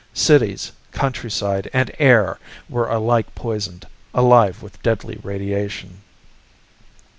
Cities, countryside, and air were alike poisoned, alive with deadly radiation.